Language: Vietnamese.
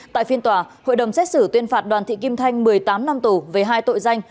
tại phiên tòa hội đồng xét xử tuyên phạt đoàn thị kim thanh một mươi tám năm tù về hai tội danh